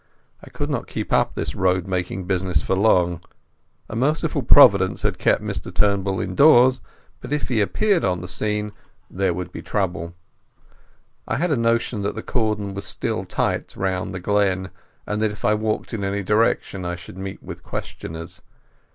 I could not keep up this roadmaking business for long. A merciful Providence had kept Mr Turnbull indoors, but if he appeared on the scene there would be trouble. I had a notion that the cordon was still tight round the glen, and that if I walked in any direction I should meet with questioners.